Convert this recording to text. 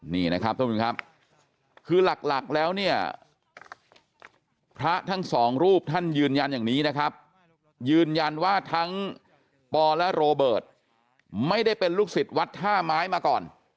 นี่นะครับท่านผู้ชมครับคือหลักแล้วเนี่ยพระทั้งสองรูปท่านยืนยันอย่างนี้นะครับยืนยันว่าทั้งปอและโรเบิร์ตไม่ได้เป็นลูกศิษย์วัดท่าไม้มาก่อน